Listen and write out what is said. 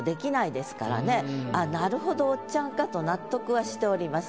なるほどおっちゃんかと納得はしております。